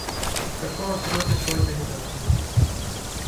سڑکوں اور پلوں سے سوچ نہیں بنتی۔